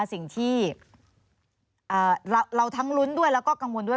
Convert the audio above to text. สิ่งที่เราทั้งลุ้นด้วยแล้วก็กังวลด้วย